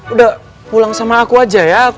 udah pulang sama aku aja ya